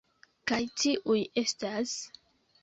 Kaj tiuj estas...